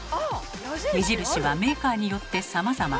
目印はメーカーによってさまざま。